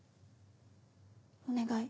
お願い。